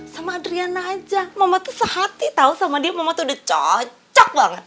sama adriana aja mama tuh sehati tau sama dia mama tuh udah cocok banget